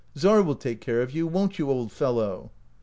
Czar will take care of you, won't you, old fellow